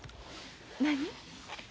何？